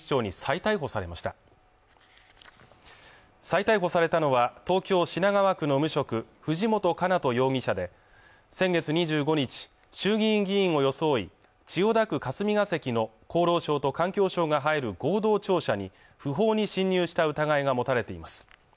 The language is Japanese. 再逮捕されたのは東京・品川区の無職藤本叶人容疑者で先月２５日衆議院議員を装い千代田区霞が関の厚労省と環境省が入る合同庁舎に不法に侵入した疑いが持たれています